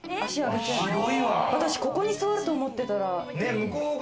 私、ここに座ると思ってたら。